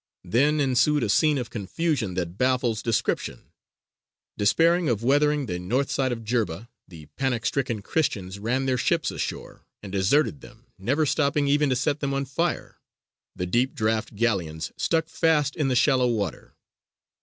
Then ensued a scene of confusion that baffles description. Despairing of weathering the north side of Jerba the panic stricken Christians ran their ships ashore, and deserted them, never stopping even to set them on fire. The deep draught galleons stuck fast in the shallow water.